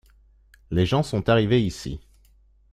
Les gens sont arrivés ici.